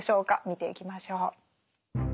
見ていきましょう。